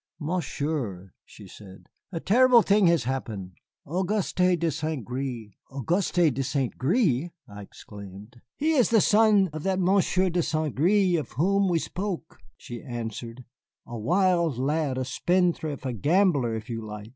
"Monsieur," she said, "a terrible thing has happened. Auguste de Saint Gré " "Auguste de Saint Gré!" I exclaimed. "He is the son of that Monsieur de Saint Gré of whom we spoke," she answered, "a wild lad, a spendthrift, a gambler, if you like.